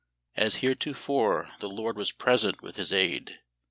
As heretofore, the LORD was present with His aid.